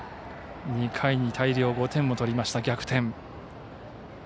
２回に大量５点を取りまして逆転。